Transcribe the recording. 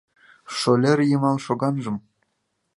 Шолер йымал шоганжым